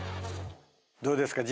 どうですか？